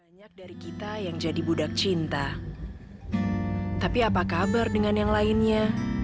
banyak dari kita yang jadi budak cinta tapi apa kabar dengan yang lainnya